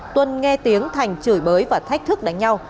tuân nghe tiếng thành chửi bới và thách thức đánh nhau